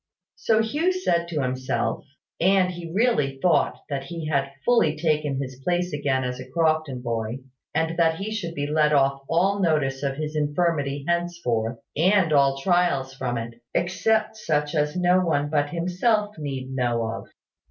So Hugh said to himself; and he really thought that he had fully taken his place again as a Crofton boy, and that he should be let off all notice of his infirmity henceforth, and all trials from it, except such as no one but himself need know of.